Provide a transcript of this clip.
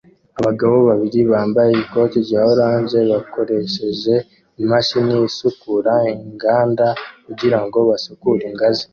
Abagabo babiri bambaye ikoti rya orange bakoresheje imashini isukura inganda kugirango basukure ingazi